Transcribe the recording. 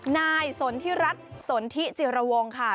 นายสนทรัชสนทิเจียราวงค์ค่ะ